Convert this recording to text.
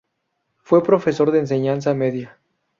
Fue profesor de enseñanza media.